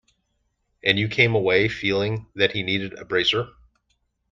And you came away feeling that he needed a bracer?